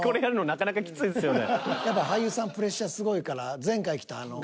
俳優さんプレッシャーすごいから前回来た岩ちゃん。